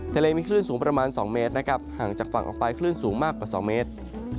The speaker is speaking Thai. ทะเลมีคลื่นสูงประมาณ๒เมตรนะครับห่างจากฝั่งออกไปคลื่นสูงมากกว่า๒เมตร